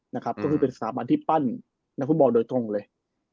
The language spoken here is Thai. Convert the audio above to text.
นะครับก็คือเป็นสถาบันที่ปั้นนักฟุตบอลโดยตรงเลย